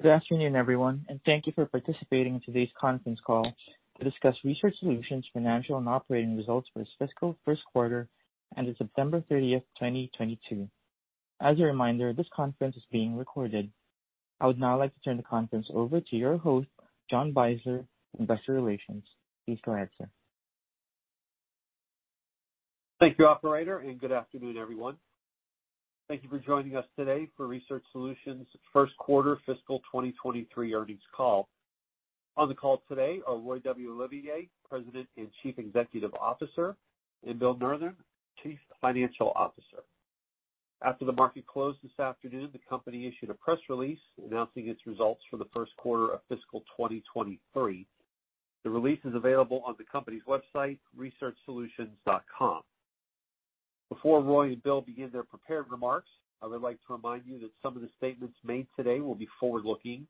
Good afternoon, everyone, and thank you for participating in today's conference call to discuss Research Solutions' financial and operating results for its fiscal first quarter ended September 30, 2022. As a reminder, this conference is being recorded. I would now like to turn the conference over to your host, John Beisler, Investor Relations. Please go ahead, sir. Thank you, operator, and good afternoon, everyone. Thank you for joining us today for Research Solutions' first quarter fiscal 2023 earnings call. On the call today are Roy W. Olivier, President and Chief Executive Officer, and Bill Nurthen, Chief Financial Officer. After the market closed this afternoon, the company issued a press release announcing its results for the first quarter of fiscal 2023. The release is available on the company's website, researchsolutions.com. Before Roy and Bill begin their prepared remarks, I would like to remind you that some of the statements made today will be forward-looking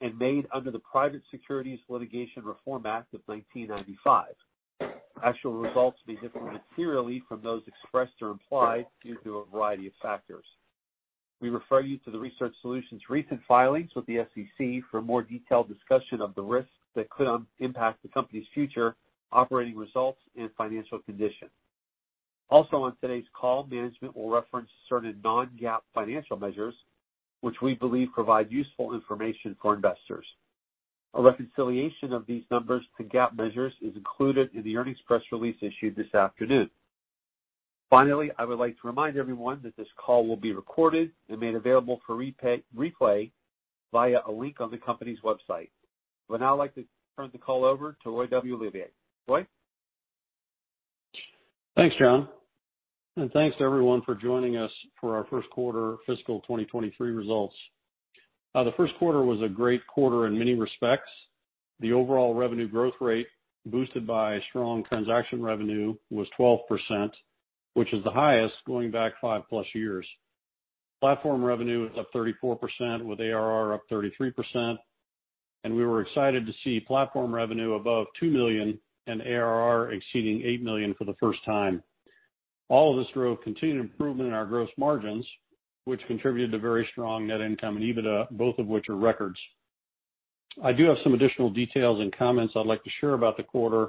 and made under the Private Securities Litigation Reform Act of 1995. Actual results may differ materially from those expressed or implied due to a variety of factors. We refer you to the Research Solutions' recent filings with the SEC for a more detailed discussion of the risks that could impact the company's future operating results and financial condition. Also on today's call, management will reference certain non-GAAP financial measures which we believe provide useful information for investors. A reconciliation of these numbers to GAAP measures is included in the earnings press release issued this afternoon. Finally, I would like to remind everyone that this call will be recorded and made available for replay via a link on the company's website. I would now like to turn the call over to Roy W. Olivier. Roy. Thanks, John, and thanks to everyone for joining us for our first quarter fiscal 2023 results. The first quarter was a great quarter in many respects. The overall revenue growth rate, boosted by strong transaction revenue, was 12%, which is the highest going back 5+ years. Platform revenue was up 34%, with ARR up 33%, and we were excited to see platform revenue above $2 million and ARR exceeding $8 million for the first time. All of this drove continued improvement in our gross margins, which contributed to very strong net income and EBITDA, both of which are records. I do have some additional details and comments I'd like to share about the quarter,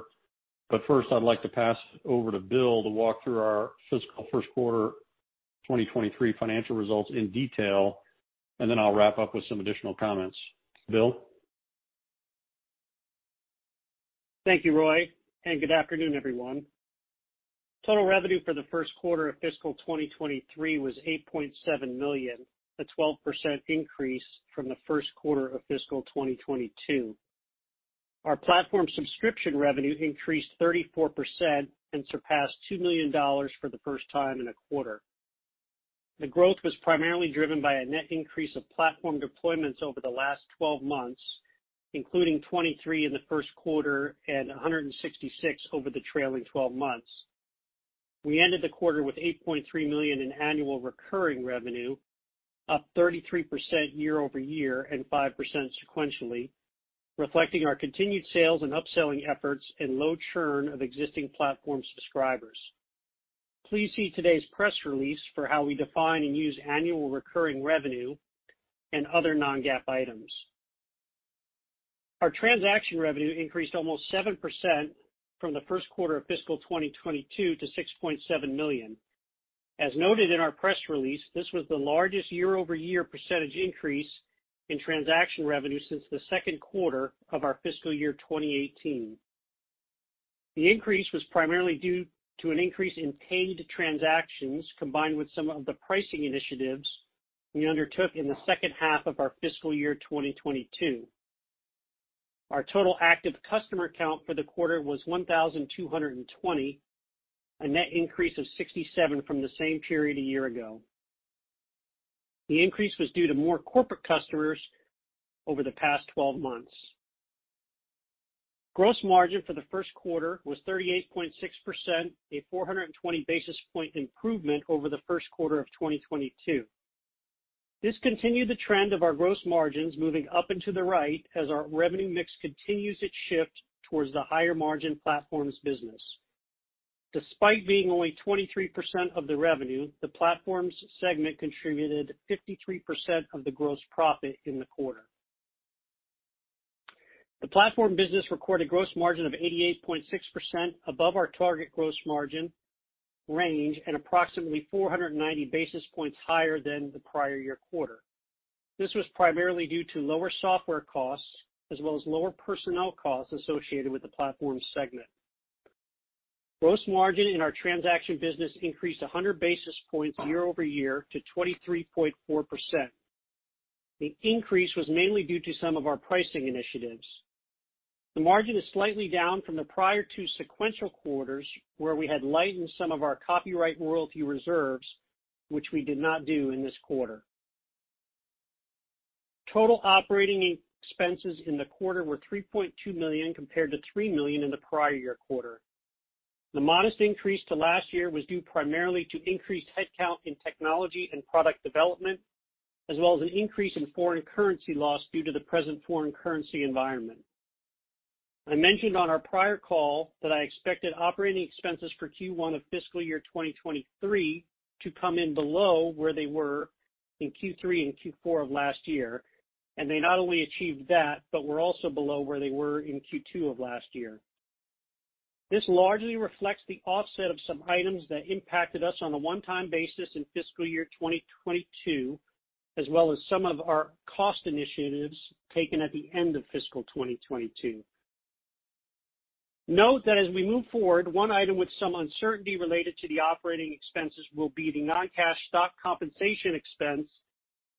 but first, I'd like to pass over to Bill to walk through our fiscal first quarter 2023 financial results in detail, and then I'll wrap up with some additional comments. Bill? Thank you, Roy, and good afternoon, everyone. Total revenue for the first quarter of fiscal 2023 was $8.7 million, a 12% increase from the first quarter of fiscal 2022. Our platform subscription revenue increased 34% and surpassed $2 million for the first time in a quarter. The growth was primarily driven by a net increase of platform deployments over the last twelve months, including 23 in the first quarter and 166 over the trailing twelve months. We ended the quarter with $8.3 million in annual recurring revenue, up 33% year-over-year and 5% sequentially, reflecting our continued sales and upselling efforts and low churn of existing platform subscribers. Please see today's press release for how we define and use annual recurring revenue and other non-GAAP items. Our transaction revenue increased almost 7% from the first quarter of fiscal 2022 to $6.7 million. As noted in our press release, this was the largest year-over-year percentage increase in transaction revenue since the second quarter of our fiscal year 2018. The increase was primarily due to an increase in paid transactions combined with some of the pricing initiatives we undertook in the second half of our fiscal year 2022. Our total active customer count for the quarter was 1,220, a net increase of 67 from the same period a year ago. The increase was due to more corporate customers over the past 12 months. Gross margin for the first quarter was 38.6%, a 420 basis point improvement over the first quarter of 2022. This continued the trend of our gross margins moving up and to the right as our revenue mix continues its shift towards the higher margin platforms business. Despite being only 23% of the revenue, the platforms segment contributed 53% of the gross profit in the quarter. The platform business recorded gross margin of 88.6% above our target gross margin range and approximately 490 basis points higher than the prior year quarter. This was primarily due to lower software costs as well as lower personnel costs associated with the platform segment. Gross margin in our transaction business increased 100 basis points year-over-year to 23.4%. The increase was mainly due to some of our pricing initiatives. The margin is slightly down from the prior two sequential quarters, where we had lightened some of our copyright royalty reserves, which we did not do in this quarter. Total operating expenses in the quarter were $3.2 million compared to $3 million in the prior year quarter. The modest increase to last year was due primarily to increased headcount in technology and product development, as well as an increase in foreign currency loss due to the present foreign currency environment. I mentioned on our prior call that I expected operating expenses for Q1 of fiscal year 2023 to come in below where they were in Q3 and Q4 of last year. They not only achieved that, but were also below where they were in Q2 of last year. This largely reflects the offset of some items that impacted us on a one-time basis in fiscal year 2022, as well as some of our cost initiatives taken at the end of fiscal 2022. Note that as we move forward, one item with some uncertainty related to the operating expenses will be the non-cash stock compensation expense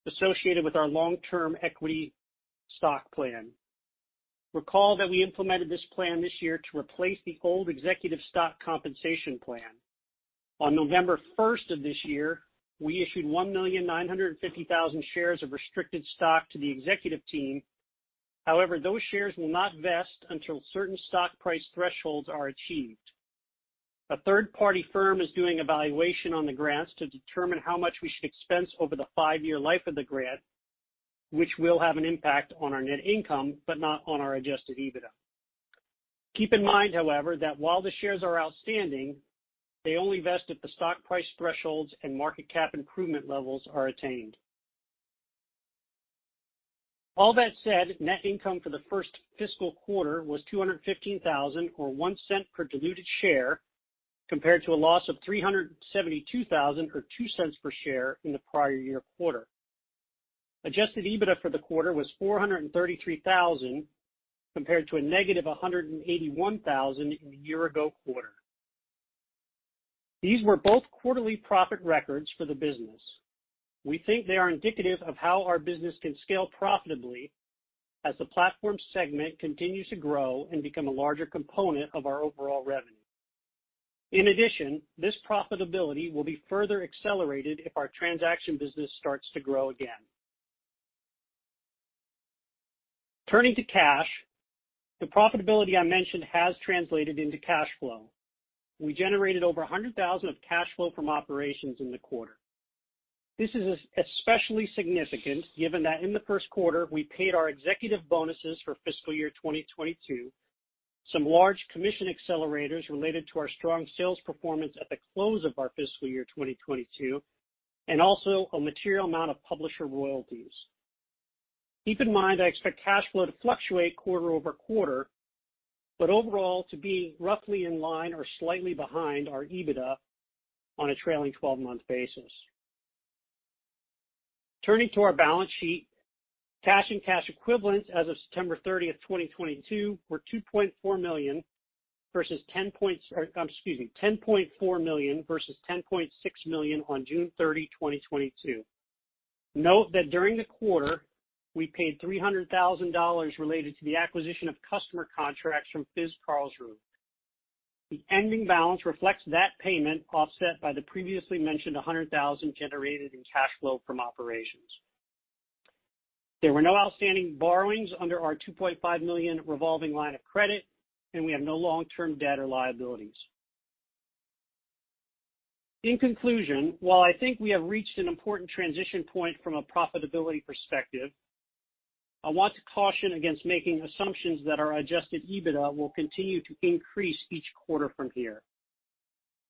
associated with our long-term equity stock plan. Recall that we implemented this plan this year to replace the old executive stock compensation plan. On November 1st of this year, we issued 1,950,000 shares of restricted stock to the executive team. However, those shares will not vest until certain stock price thresholds are achieved. A third-party firm is doing a valuation on the grants to determine how much we should expense over the five-year life of the grant, which will have an impact on our net income, but not on our adjusted EBITDA. Keep in mind, however, that while the shares are outstanding, they only vest if the stock price thresholds and market cap improvement levels are attained. All that said, net income for the first fiscal quarter was $215,000 or $0.01 per diluted share, compared to a loss of $372,000 or $0.02 per share in the prior year quarter. Adjusted EBITDA for the quarter was $433,000, compared to a negative $181,000 in the year ago quarter. These were both quarterly profit records for the business. We think they are indicative of how our business can scale profitably as the platform segment continues to grow and become a larger component of our overall revenue. In addition, this profitability will be further accelerated if our transaction business starts to grow again. Turning to cash, the profitability I mentioned has translated into cash flow. We generated over $100,000 of cash flow from operations in the quarter. This is especially significant given that in the first quarter, we paid our executive bonuses for fiscal year 2022, some large commission accelerators related to our strong sales performance at the close of our fiscal year 2022, and also a material amount of publisher royalties. Keep in mind, I expect cash flow to fluctuate quarter-over-quarter, but overall to be roughly in line or slightly behind our EBITDA on a trailing twelve-month basis. Turning to our balance sheet, cash and cash equivalents as of September 30th, 2022 were $2.4 million versus $10.4 million versus $10.6 million on June 30, 2022. Note that during the quarter, we paid $300,000 related to the acquisition of customer contracts from FIZ Karlsruhe. The ending balance reflects that payment offset by the previously mentioned $100,000 generated in cash flow from operations. There were no outstanding borrowings under our $2.5 million revolving line of credit, and we have no long-term debt or liabilities. In conclusion, while I think we have reached an important transition point from a profitability perspective, I want to caution against making assumptions that our adjusted EBITDA will continue to increase each quarter from here.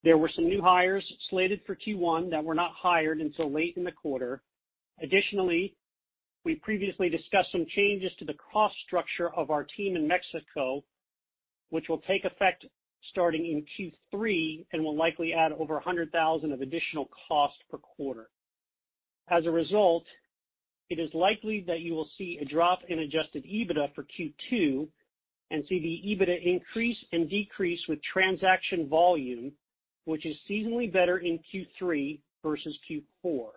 There were some new hires slated for Q1 that were not hired until late in the quarter. Additionally, we previously discussed some changes to the cost structure of our team in Mexico, which will take effect starting in Q3 and will likely add over $100,000 of additional cost per quarter. As a result, it is likely that you will see a drop in adjusted EBITDA for Q2 and see the EBITDA increase and decrease with transaction volume, which is seasonally better in Q3 versus Q4.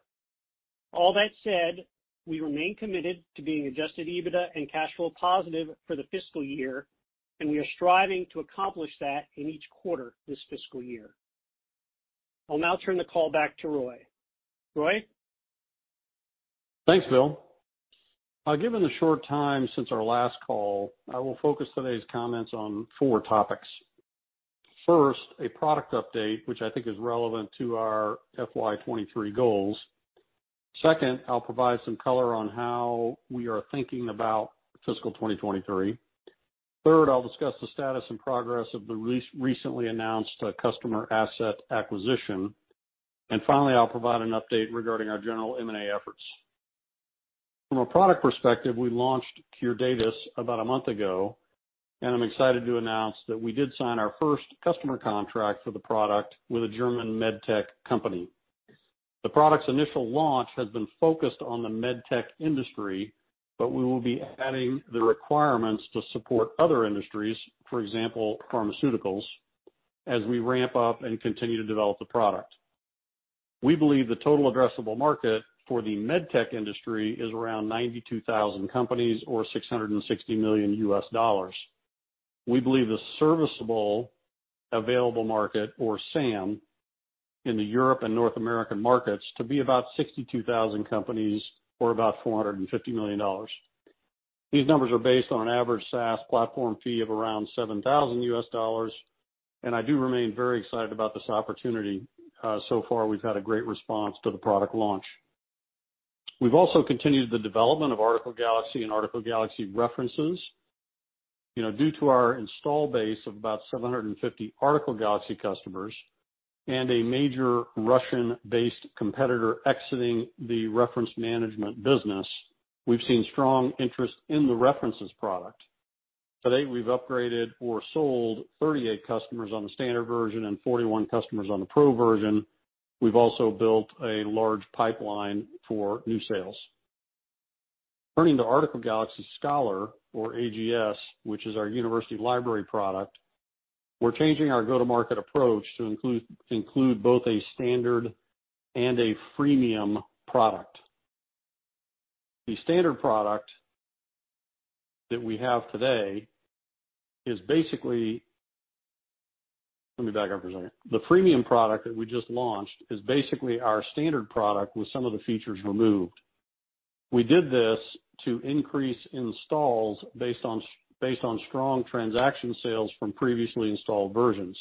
All that said, we remain committed to being adjusted EBITDA and cash flow positive for the fiscal year, and we are striving to accomplish that in each quarter this fiscal year. I'll now turn the call back to Roy. Roy? Thanks, Bill. Given the short time since our last call, I will focus today's comments on four topics. First, a product update, which I think is relevant to our FY 2023 goals. Second, I'll provide some color on how we are thinking about fiscal 2023. Third, I'll discuss the status and progress of the recently announced customer asset acquisition. Finally, I'll provide an update regarding our general M&A efforts. From a product perspective, we launched Curedatis about a month ago, and I'm excited to announce that we did sign our first customer contract for the product with a German MedTech company. The product's initial launch has been focused on the MedTech industry, but we will be adding the requirements to support other industries, for example, pharmaceuticals, as we ramp up and continue to develop the product. We believe the total addressable market for the MedTech industry is around 92,000 companies or $660 million. We believe the serviceable available market or SAM in the Europe and North American markets to be about 62,000 companies or about $450 million. These numbers are based on average SaaS platform fee of around $7,000, and I do remain very excited about this opportunity. So far, we've had a great response to the product launch. We've also continued the development of Article Galaxy and Article Galaxy References. You know, due to our install base of about 750 Article Galaxy customers and a major Russian-based competitor exiting the reference management business, we've seen strong interest in the References product. To date, we've upgraded or sold 38 customers on the standard version and 41 customers on the Pro version. We've also built a large pipeline for new sales. Turning to Article Galaxy Scholar or AGS, which is our university library product, we're changing our go-to-market approach to include both a standard and a freemium product. The standard product that we have today is basically. Let me back up for a second. The premium product that we just launched is basically our standard product with some of the features removed. We did this to increase installs based on strong transaction sales from previously installed versions.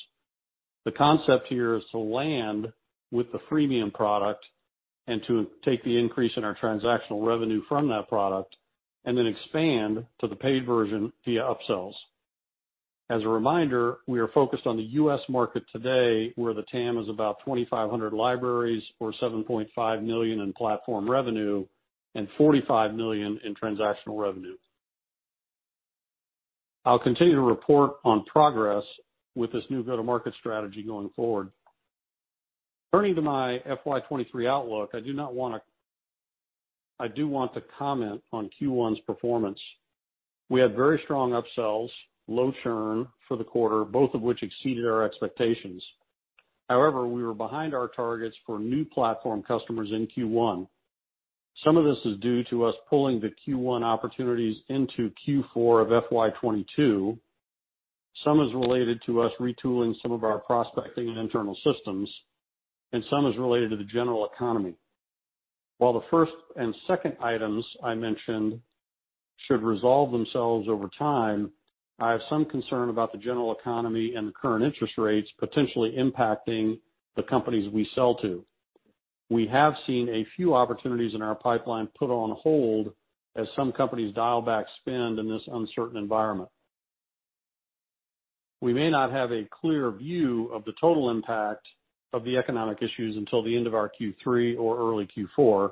The concept here is to land with the freemium product and to take the increase in our transactional revenue from that product, and then expand to the paid version via upsells. As a reminder, we are focused on the U.S. market today, where the TAM is about 2,500 libraries or $7.5 million in platform revenue and $45 million in transactional revenue. I'll continue to report on progress with this new go-to-market strategy going forward. Turning to my FY 2023 outlook, I do want to comment on Q1's performance. We had very strong upsells, low churn for the quarter, both of which exceeded our expectations. However, we were behind our targets for new platform customers in Q1. Some of this is due to us pulling the Q1 opportunities into Q4 of FY 2022. Some is related to us retooling some of our prospecting and internal systems, and some is related to the general economy. While the first and second items I mentioned should resolve themselves over time, I have some concern about the general economy and the current interest rates potentially impacting the companies we sell to. We have seen a few opportunities in our pipeline put on hold as some companies dial back spend in this uncertain environment. We may not have a clear view of the total impact of the economic issues until the end of our Q3 or early Q4.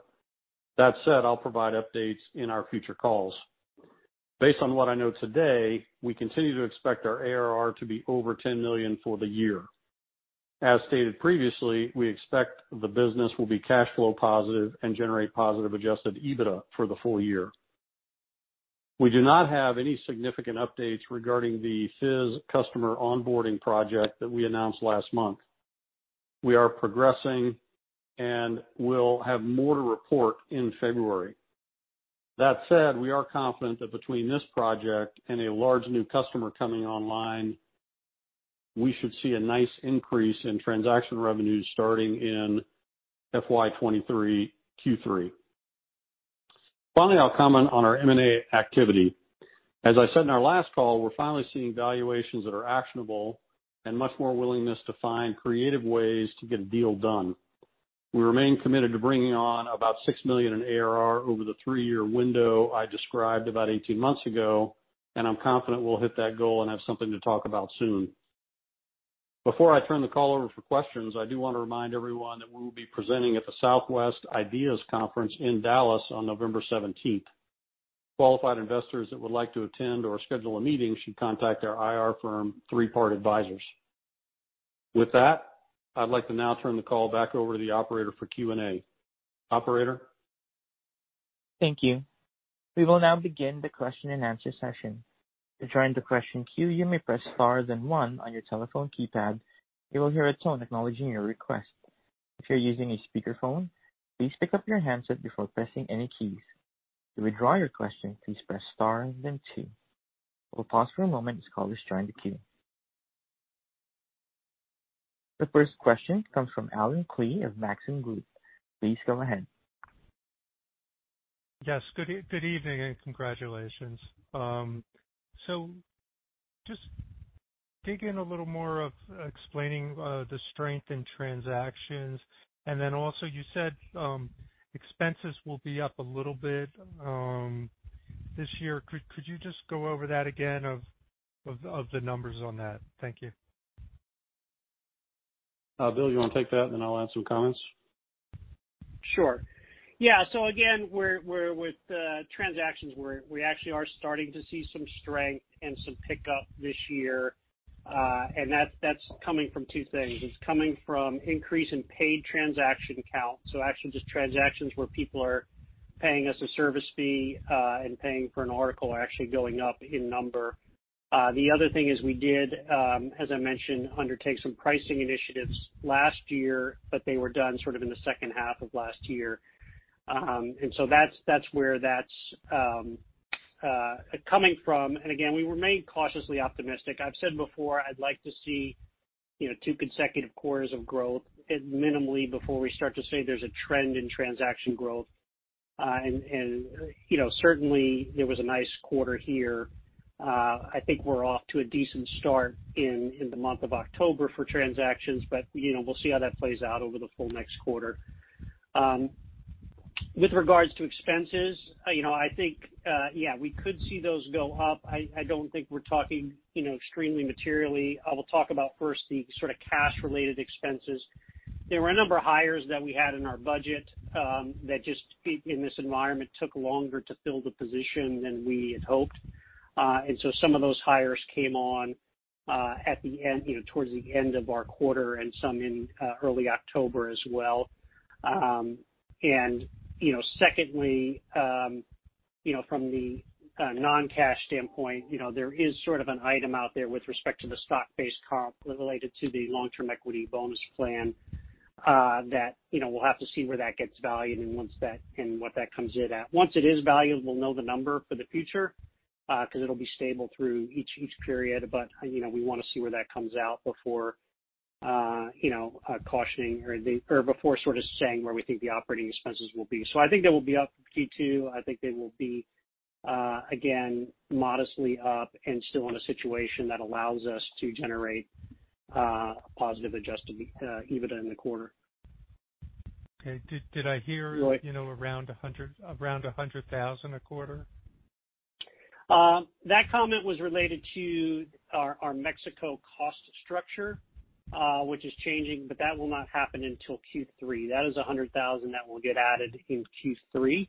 That said, I'll provide updates in our future calls. Based on what I know today, we continue to expect our ARR to be over $10 million for the year. As stated previously, we expect the business will be cash flow positive and generate positive adjusted EBITDA for the full year. We do not have any significant updates regarding the FIZ customer onboarding project that we announced last month. We are progressing and will have more to report in February. That said, we are confident that between this project and a large new customer coming online, we should see a nice increase in transaction revenues starting in FY 2023, Q3. Finally, I'll comment on our M&A activity. As I said in our last call, we're finally seeing valuations that are actionable and much more willingness to find creative ways to get a deal done. We remain committed to bringing on about $6 million in ARR over the three-year window I described about 18 months ago, and I'm confident we'll hit that goal and have something to talk about soon. Before I turn the call over for questions, I do want to remind everyone that we will be presenting at the Southwest IDEAS Conference in Dallas on November seventeenth. Qualified investors that would like to attend or schedule a meeting should contact our IR firm, Three Part Advisors. With that, I'd like to now turn the call back over to the operator for Q&A. Operator? Thank you. We will now begin the question-and-answer session. To join the question queue, you may press star then one on your telephone keypad. You will hear a tone acknowledging your request. If you're using a speakerphone, please pick up your handset before pressing any keys. To withdraw your question, please press star then two. We'll pause for a moment as callers join the queue. The first question comes from Allen Klee of Maxim Group. Please go ahead. Yes. Good evening and congratulations. Just dig in a little more of explaining the strength in transactions. You said expenses will be up a little bit this year. Could you just go over that again of the numbers on that? Thank you. Bill, you wanna take that, and then I'll add some comments? Sure. Yeah. Again, we're with transactions, we actually are starting to see some strength and some pickup this year. That's coming from two things. It's coming from increase in paid transaction count, so actually just transactions where people are paying us a service fee and paying for an article are actually going up in number. The other thing is we did, as I mentioned, undertake some pricing initiatives last year, but they were done sort of in the second half of last year. That's where that's coming from. Again, we remain cautiously optimistic. I've said before I'd like to see, you know, two consecutive quarters of growth at minimally before we start to say there's a trend in transaction growth. You know, certainly there was a nice quarter here. I think we're off to a decent start in the month of October for transactions, but, you know, we'll see how that plays out over the full next quarter. With regards to expenses, you know, I think, yeah, we could see those go up. I don't think we're talking, you know, extremely materially. I will talk about first the sort of cash-related expenses. There were a number of hires that we had in our budget, that just in this environment took longer to fill the position than we had hoped. Some of those hires came on at the end, you know, towards the end of our quarter and some in early October as well. You know, secondly, you know, from the non-cash standpoint, you know, there is sort of an item out there with respect to the stock-based comp related to the long-term equity bonus plan that, you know, we'll have to see where that gets valued and once that and what that comes in at. Once it is valued, we'll know the number for the future, 'cause it'll be stable through each period. You know, we wanna see where that comes out before you know, cautioning or before sort of saying where we think the operating expenses will be. I think they will be up Q2. I think they will be again, modestly up and still in a situation that allows us to generate positive adjusted EBITDA in the quarter. Okay. Did I hear? Go ahead. You know, around $100,000 a quarter? That comment was related to our Mexico cost structure, which is changing, but that will not happen until Q3. That is $100,000 that will get added in Q3.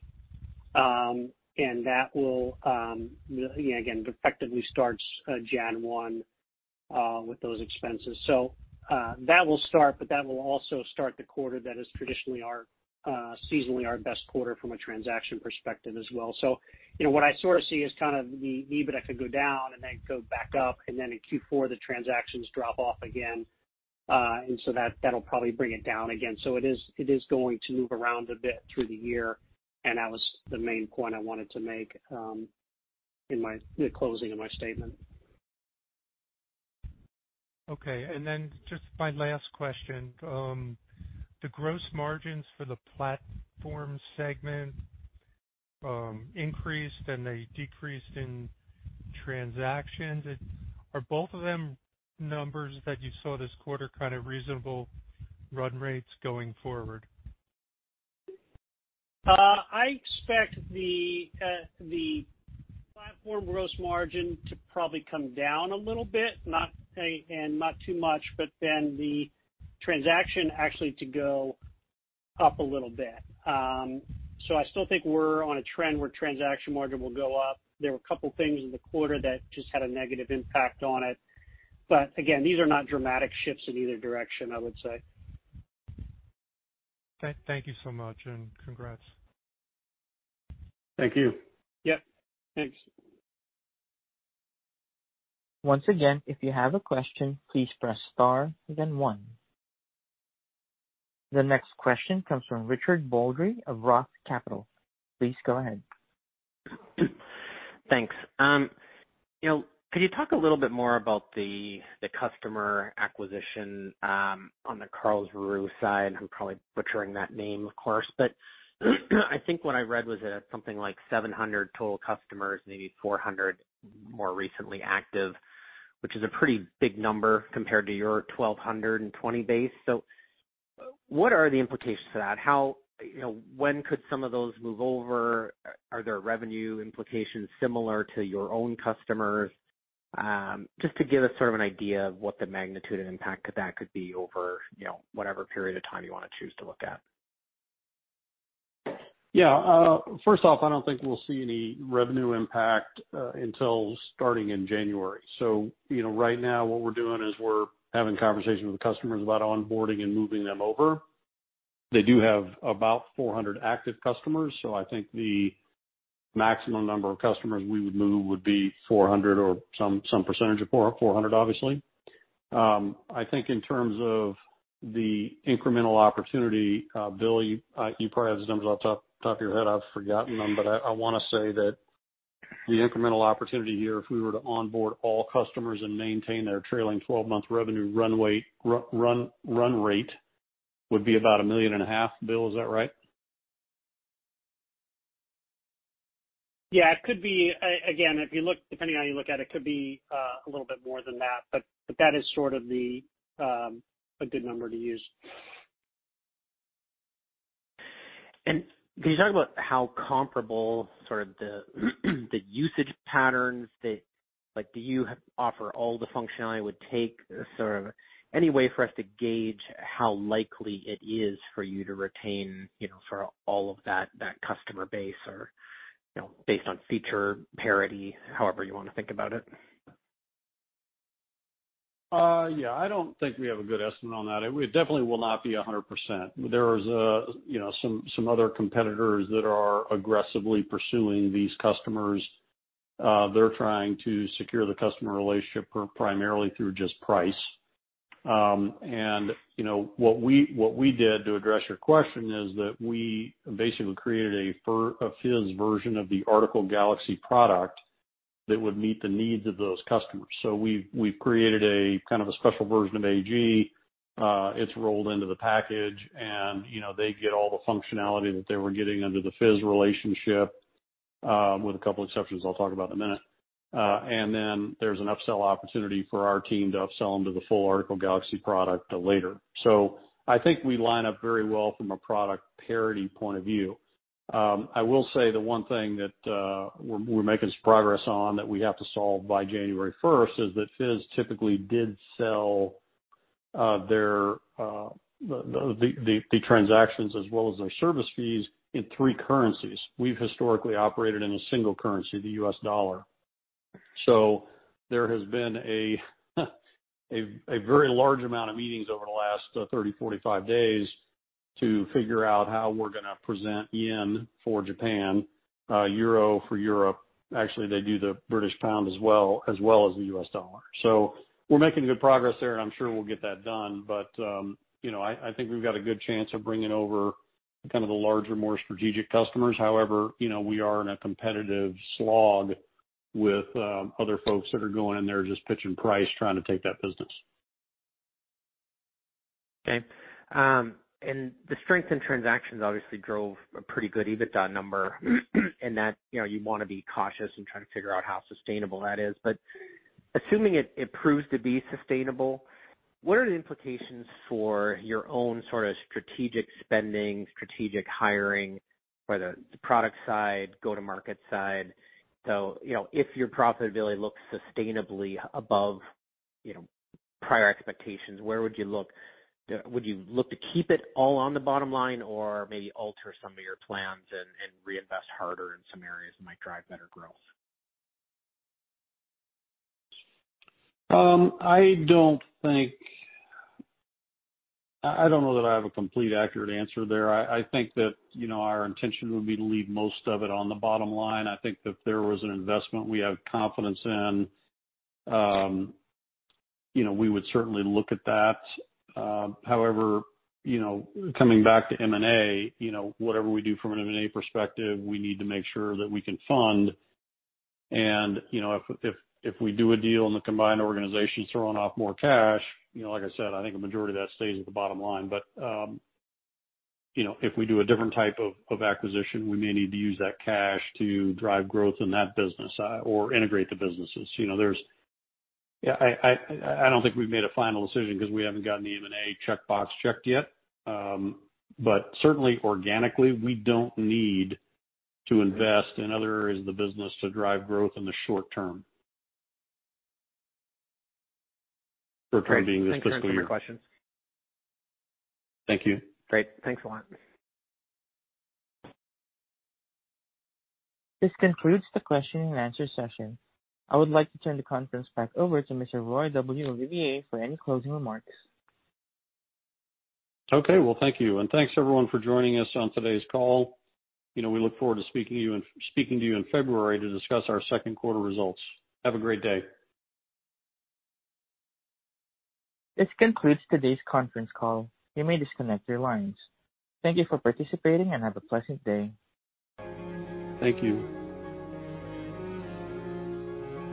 That will, again, effectively starts January 1 with those expenses. That will start, but that will also start the quarter that is traditionally our seasonally best quarter from a transaction perspective as well. You know, what I sort of see is kind of the EBITDA could go down and then go back up, and then in Q4 the transactions drop off again. That, that'll probably bring it down again. It is going to move around a bit through the year, and that was the main point I wanted to make in the closing of my statement. Okay. Just my last question. The gross margins for the platform segment increased, and they decreased in transactions. Are both of them numbers that you saw this quarter kind of reasonable run rates going forward? I expect the platform gross margin to probably come down a little bit, and not too much, but then the transaction actually to go up a little bit. I still think we're on a trend where transaction margin will go up. There were a couple things in the quarter that just had a negative impact on it. Again, these are not dramatic shifts in either direction, I would say. Thank you so much, and congrats. Thank you. Yeah, thanks. Once again, if you have a question, please press star then one. The next question comes from Richard Baldry of Roth Capital. Please go ahead. Thanks. You know, could you talk a little bit more about the customer acquisition on the Karlsruhe side? I'm probably butchering that name, of course. I think what I read was that something like 700 total customers, maybe 400 more recently active, which is a pretty big number compared to your 1,220 base. What are the implications to that? How, you know, when could some of those move over? Are there revenue implications similar to your own customers? Just to give us sort of an idea of what the magnitude and impact of that could be over, you know, whatever period of time you wanna choose to look at. Yeah. First off, I don't think we'll see any revenue impact until starting in January. You know, right now what we're doing is we're having conversations with customers about onboarding and moving them over. They do have about 400 active customers, so I think the maximum number of customers we would move would be 400 or some percentage of 400, obviously. I think in terms of the incremental opportunity, Billy, you probably have the numbers off the top of your head. I've forgotten them. I wanna say that the incremental opportunity here, if we were to onboard all customers and maintain their trailing twelve-month revenue run rate, would be about $1.5 million. Bill, is that right? Yeah. It could be. Again, if you look, depending on how you look at it could be a little bit more than that, but that is sort of a good number to use. Can you talk about how comparable sort of the usage patterns that like, do you offer all the functionality it would take? Sort of any way for us to gauge how likely it is for you to retain, you know, for all of that customer base or, you know, based on feature parity, however you wanna think about it. Yeah. I don't think we have a good estimate on that. It definitely will not be 100%. There is, you know, some other competitors that are aggressively pursuing these customers. They're trying to secure the customer relationship primarily through just price. And, you know, what we did, to address your question, is that we basically created a FIZ version of the Article Galaxy product that would meet the needs of those customers. We've created a kind of a special version of AG. It's rolled into the package and, you know, they get all the functionality that they were getting under the FIZ relationship, with a couple exceptions I'll talk about in a minute. And then there's an upsell opportunity for our team to upsell them to the full Article Galaxy product later. I think we line up very well from a product parity point of view. I will say the one thing that we're making some progress on that we have to solve by January first is that FIZ typically did sell their transactions as well as their service fees in three currencies. We've historically operated in a single currency, the U.S. dollar. There has been a very large amount of meetings over the last 30-45 days to figure out how we're gonna present yen for Japan, euro for Europe. Actually, they do the British pound as well as the U.S. dollar. We're making good progress there, and I'm sure we'll get that done. You know, I think we've got a good chance of bringing over kind of the larger, more strategic customers. However, you know, we are in a competitive slog with other folks that are going in there, just pitching price, trying to take that business. Okay. The strength in transactions obviously drove a pretty good EBITDA number. Mm-hmm. In that, you know, you wanna be cautious in trying to figure out how sustainable that is. Assuming it proves to be sustainable, what are the implications for your own sort of strategic spending, strategic hiring, whether it's the product side, go-to-market side? You know, if your profitability looks sustainably above, you know, prior expectations, where would you look? Would you look to keep it all on the bottom line or maybe alter some of your plans and reinvest harder in some areas that might drive better growth? I don't know that I have a completely accurate answer there. I think that, you know, our intention would be to leave most of it on the bottom line. I think that if there was an investment we have confidence in, you know, we would certainly look at that. However, you know, coming back to M&A, you know, whatever we do from an M&A perspective, we need to make sure that we can fund and, you know, if we do a deal and the combined organization's throwing off more cash, you know, like I said, I think a majority of that stays at the bottom line. You know, if we do a different type of acquisition, we may need to use that cash to drive growth in that business, or integrate the businesses. I don't think wE've made a final decision 'cause we haven't gotten the M&A checkbox checked yet. Certainly organically, we don't need to invest in other areas of the business to drive growth in the short term for being this fiscal year. Great. Thank you for answering my question. Thank you. Great. Thanks a lot. This concludes the question and answer session. I would like to turn the conference back over to Mr. Roy W. Olivier for any closing remarks. Okay. Well, thank you. Thanks, everyone, for joining us on today's call. You know, we look forward to speaking to you in February to discuss our second quarter results. Have a great day. This concludes today's conference call. You may disconnect your lines. Thank you for participating and have a pleasant day. Thank you.